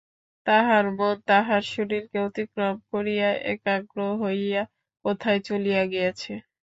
তাহার মন তাহার শরীরকে অতিক্রম করিয়া একাগ্র হইয়া কোথায় চলিয়া গিয়াছে।